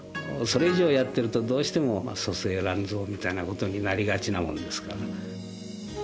それ以上やってるとどうしても粗製乱造みたいなことになりがちなものですから。